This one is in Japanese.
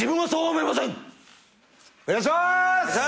お願いしまーす！